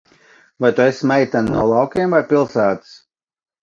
Vai tu esi meitene no laukiem vai pilsētas?